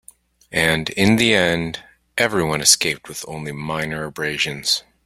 And in the end, everyone escaped with only minor abrasions.